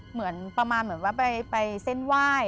เหมือนประมาณเหมือนว่าไปเส้นไหว้